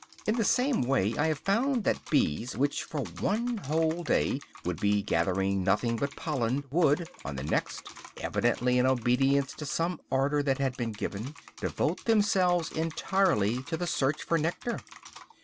In the same way I have found that bees which for one whole day would be gathering nothing but pollen would, on the next, evidently in obedience to some order that had been given, devote themselves entirely to the search for nectar.